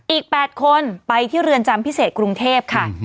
อีก๘คนไปที่เรือนจำพิเศษกรุงเทพค่ะ